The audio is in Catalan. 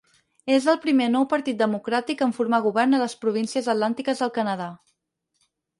És el primer Nou Partit Democràtic en formar govern a les províncies atlàntiques del Canadà.